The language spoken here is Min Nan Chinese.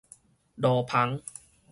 露篷